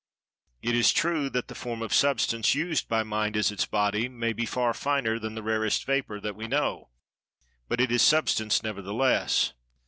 It is true that the form of Substance, used by Mind as its body, may be far finer than the rarest vapor that we know, but it is Substance nevertheless.